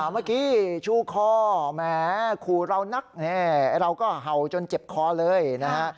เมื่อกี้ชูคอแหมขู่เรานักเราก็เห่าจนเจ็บคอเลยนะฮะ